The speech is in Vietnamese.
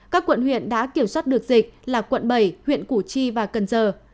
các quận huyện đã kiểm soát được dịch là quận bảy huyện củ chi và cần giờ